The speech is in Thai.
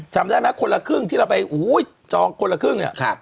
จำได้ไหมคนละครึ่งที่เราไปจองคนละครึ่งเนี่ย